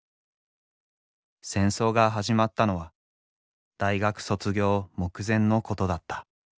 戦争が始まったのは大学卒業目前のことだった。